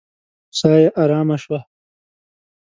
ساه يې آرامه شوه.